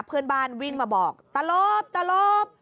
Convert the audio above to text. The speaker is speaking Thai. เพื่อนบ้านวิ่งมาบอกตารพตารพ